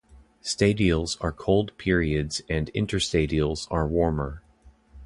Stadials are colder periods and interstadials are warmer.